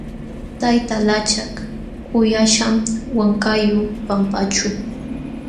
Tayta lachak kuyaśhqam wankayuq pampaćhu.